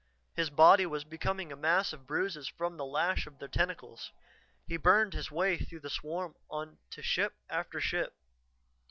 His body was becoming a mass of bruises from the lash of their tentacles. He burned his way through the swarm on to ship after ship.